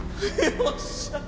よっしゃ！